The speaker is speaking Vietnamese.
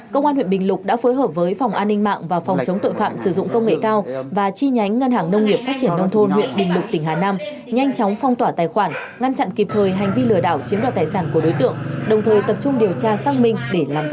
công an huyện bình lục đã phối hợp với phòng an ninh mạng và phòng chống tội phạm sử dụng công nghệ cao và chi nhánh ngân hàng nông nghiệp phát triển nông thôn huyện bình lục tỉnh hà nam nhanh chóng phong tỏa tài khoản ngăn chặn kịp thời hành vi lừa đảo chiếm đoạt tài sản của đối tượng đồng thời tập trung điều tra xác minh để làm rõ